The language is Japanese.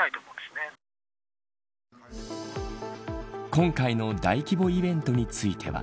今回の大規模イベントについては。